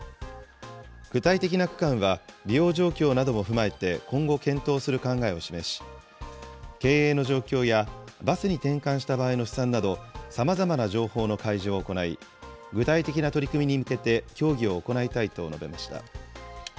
具体的な区間は、利用状況なども踏まえて今後検討する考えを示し、経営の状況やバスに転換した場合の試算など、さまざまな情報の開示を行い、具体的な取り組みに向けて協議を行いたいと述べました。